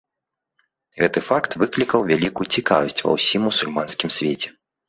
Гэты факт выклікаў вялікую цікавасць ва ўсім мусульманскім свеце.